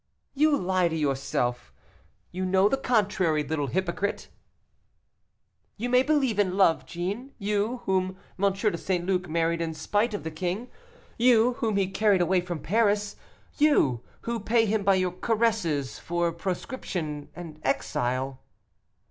"You lie to yourself! you know the contrary, little hypocrite!" "You may believe in love, Jeanne, you, whom M. de St. Luc married in spite of the king; you, whom he carried away from Paris; you, who pay him by your caresses for proscription and exile."